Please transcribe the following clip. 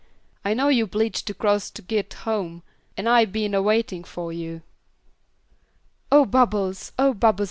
I know yuh 'bleedged to cross to git home, an' I been a waitin' fo' yuh." "Oh Bubbles! Oh Bubbles!